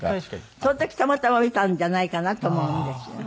その時たまたま見たんじゃないかなと思うんですよね。